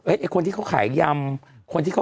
ศูนย์อุตุนิยมวิทยาภาคใต้ฝั่งตะวันอ่อค่ะ